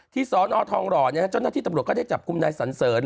ที่๑๒นอทองหล่อเนี่ยเจ้านักที่ตำรวจก็ได้จับคุมนายสันเสิร์น